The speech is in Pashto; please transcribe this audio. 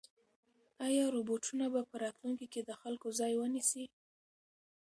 ایا روبوټونه به په راتلونکي کې د خلکو ځای ونیسي؟